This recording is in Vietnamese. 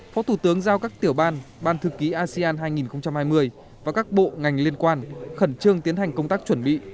phó thủ tướng giao các tiểu ban ban thư ký asean hai nghìn hai mươi và các bộ ngành liên quan khẩn trương tiến hành công tác chuẩn bị